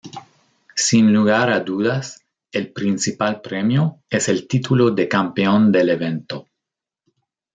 Sin lugar a dudas, el principal premio es el título de campeón del evento.